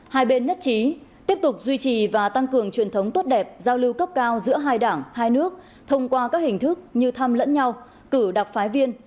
hai bên nhất trí tiếp tục duy trì và tăng cường truyền thống tốt đẹp giao lưu cấp cao giữa hai đảng hai nước thông qua các hình thức như thăm lẫn nhau cử đặc phái viên